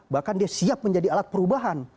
bahkan dia siap menjadi alat perubahan